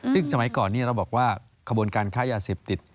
ซึ่งสมัยก่อนนี้เราบอกว่าขบวนการค้ายาเสพติด